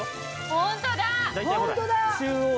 ホントだ！